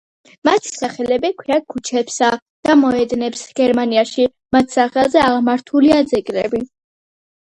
მათი სახელები ჰქვია ქუჩებსა და მოედნებს გერმანიაში, მათ სახელზე აღმართულია ძეგლები.